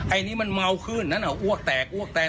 ไอ้นี่มันเมาขึ้นนั่นอ่ะอ้วกแตกอ้วกแตก